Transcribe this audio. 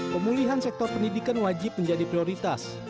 pemulihan sektor pendidikan wajib menjadi prioritas